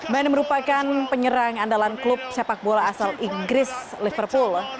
band merupakan penyerang andalan klub sepak bola asal inggris liverpool